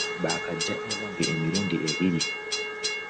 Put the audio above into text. Baakajja ewange emirundi abiri.